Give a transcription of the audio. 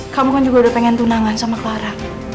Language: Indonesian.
kamu kan juga udah pengen tunangan sama clara